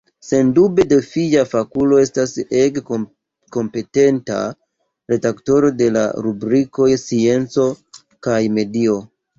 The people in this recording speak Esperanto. Sendube do tia fakulo estas ege kompetenta redaktoro de la rubrikoj scienco kaj medio.